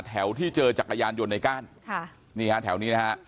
แถวที่เจอจักรยานยนต์ในก้านค่ะนี่ฮะแถวนี้นะฮะ